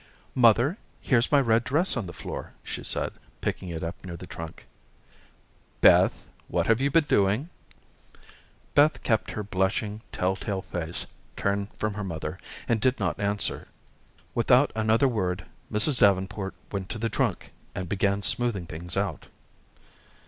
"Mother, here's my red dress on the floor," she said, picking it up near the trunk. "Beth, what have you been doing?" Beth kept her blushing, telltale face turned from her mother, and did not answer. Without another word, Mrs. Davenport went to the trunk, and began smoothing things out.